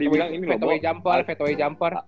bettaway jumper bettaway jumper